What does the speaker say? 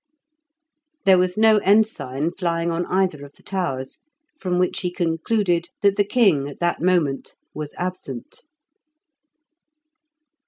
There was no ensign flying on either of the towers, from which he concluded that the king at that moment was absent.